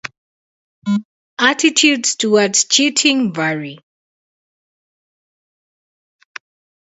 Attitudes towards cheating vary.